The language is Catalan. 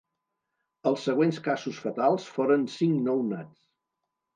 Els següents casos fatals foren cinc nounats.